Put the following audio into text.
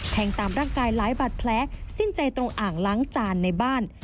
ตามร่างกายหลายบาดแผลสิ้นใจตรงอ่างล้างจานในบ้าน